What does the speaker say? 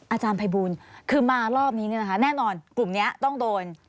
อาจารย์ภัยบุญคือมารอบนี้แน่นอนกลุ่มนี้ต้องโดน